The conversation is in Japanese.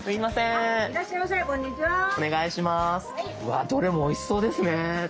わっどれもおいしそうですね。